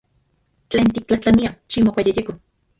Tlen tiktlajtlania, ximokuayejyeko.